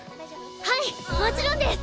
はいもちろんです！